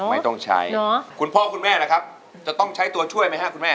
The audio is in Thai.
ไม่ต้องใช้คุณพ่อคุณแม่ล่ะครับจะต้องใช้ตัวช่วยไหมฮะคุณแม่